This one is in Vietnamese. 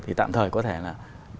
thì tạm thời có thể là